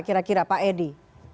kira kira pak hedy